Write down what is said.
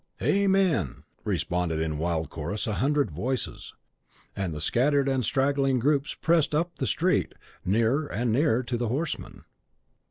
"Amen!" responded, in wild chorus, a hundred voices; and the scattered and straggling groups pressed up the street, nearer and nearer to the horseman.